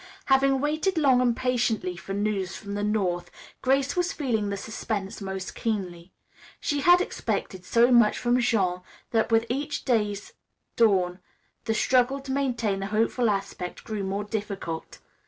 Having waited long and patiently for news from the north Grace was feeling the suspense most keenly. She had expected so much from Jean that with each day's dawn the struggle to maintain a hopeful aspect grew more difficult.